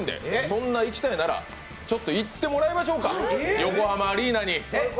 そんな行きたいなら、ちょっと行っていただきましょうか、横浜アリーナに。